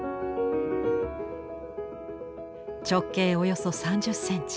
直径およそ３０センチ。